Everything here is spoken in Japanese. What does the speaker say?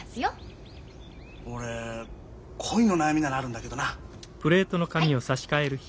俺恋の悩みならあるんだけどな。